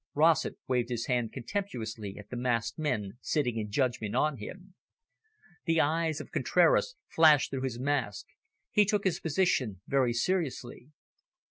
Rossett waved his hand contemptuously at the masked men sitting in judgment on him. The eyes of Contraras flashed through his mask. He took his position very seriously.